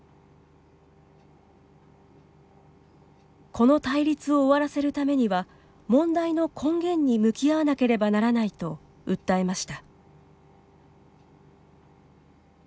この対立を終わらせるためには問題の根源に向き合わなければならないと訴えました。